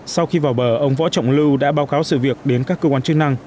sau khi vào bờ ông võ trọng lưu đã báo cáo sự việc đến các cơ quan chức năng